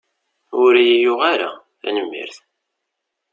Ur iyi-yuɣ ara, tanemmirt.